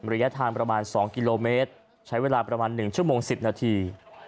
ระยะทางประมาณ๒กิโลเมตรใช้เวลาประมาณ๑ชั่วโมง๑๐นาที